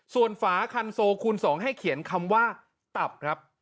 ส่วนฝาคันโซคูณ๒ให้เขียนคำว่าตับครับ